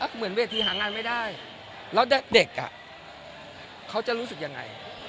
เหมือนเวทีหางานไม่ได้แล้วเด็กอ่ะเขาจะรู้สึกยังไง